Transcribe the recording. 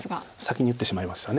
先に打ってしまいました。